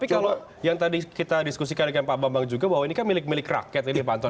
tapi kalau yang tadi kita diskusikan dengan pak bambang juga bahwa ini kan milik milik rakyat ini pak anton